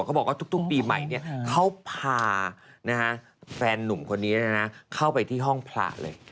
เขาบอกว่าทุกปีใหม่เนี่ยเขาพานะฮะแฟนหนุ่มคนนี้นะฮะเข้าไปที่ห้องพระเลย